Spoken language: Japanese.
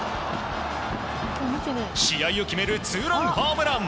試合を決めるツーランホームラン。